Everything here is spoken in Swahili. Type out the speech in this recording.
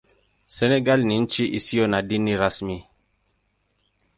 Senegal ni nchi isiyo na dini rasmi.